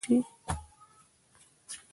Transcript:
د يوې مياشتي په موده کي بشپړي سي.